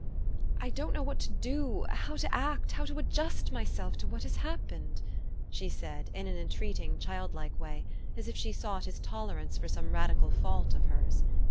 " I don't know what to do, how to act, how to 206 THft STOEY OF AVIS. adjust myself to what has happened," she said in an entreating, childlike way, as if she sought his tolerance for some radical fault of hers.